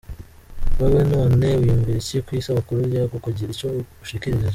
Wewe none wiyumvira iki kw'isabukuru rya Google? Gira ico ushikirije.